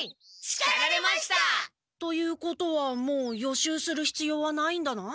しかられました！ということはもう予習するひつようはないんだな？